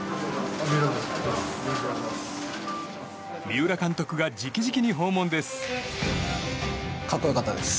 三浦監督が直々に訪問です。